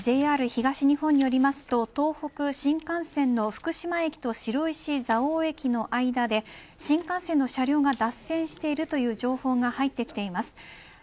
ＪＲ東日本によると東北新幹線の福島駅と白石蔵王駅の間で新幹線の車両が脱線している情報が入ってきています。